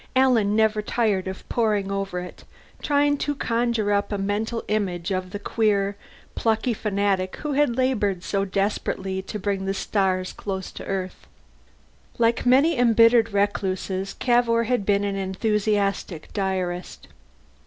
Alan never tired of poring over it, trying to conjure up a mental image of the queer, plucky fanatic who had labored so desperately to bring the stars close to Earth. Like many embittered recluses, Cavour had been an enthusiastic diarist.